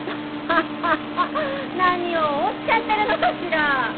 ハハハ何をおっしゃってるのかしら。